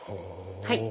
はい。